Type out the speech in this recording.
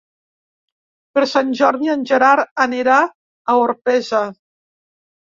Per Sant Jordi en Gerard anirà a Orpesa.